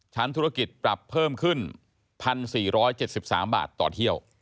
ธุรกิจปรับเพิ่มขึ้น๑๔๗๓บาทต่อเที่ยว